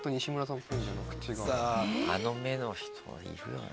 あの目の人はいるよな。